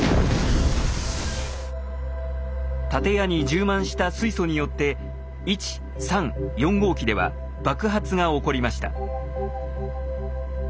建屋に充満した水素によって１３４号機では爆発が起こりました。